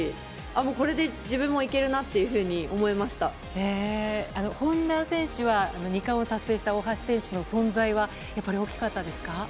これで自分もいけるなというふうに本多選手は２冠を達成した大橋選手の存在は大きかったですか。